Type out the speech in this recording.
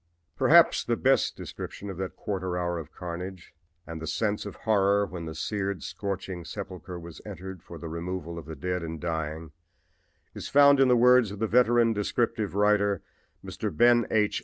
Perhaps the best description of that quarter hour of carnage and the sense of horror when the seared, scorched sepulchre was entered for the removal of the dead and dying is found in the words of the veteran descriptive writer, Mr. Ben H.